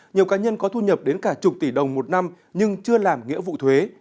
nhiều cá nhân có thu nhập đến cả chục tỷ đồng một năm nhưng chưa làm nghĩa vụ thuế